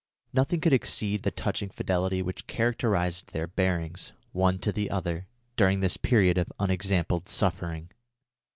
Nothing could exceed the touching fidelity which characterised their bearings, one to the other, during this period of unexampled suffering.